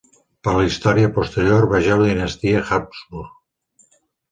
Per a la història posterior vegeu Dinastia Habsburg.